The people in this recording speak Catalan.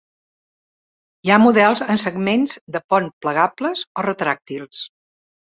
Hi ha models amb segments de pont plegables o retràctils.